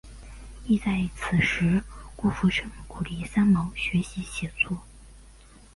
亦在此时顾福生鼓励三毛学习写作。